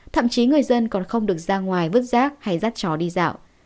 thậm chí người dân còn không được ra ngoài vứt rác hay rắt chó đi dạo